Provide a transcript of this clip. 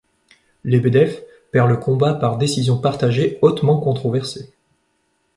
Lebedev perd le combat par décision partagée, hautement controversée.